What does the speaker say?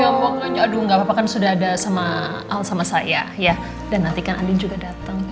ya mau nanya aduh gak apa apa kan sudah ada sama al sama saya ya dan nanti kan andi juga datang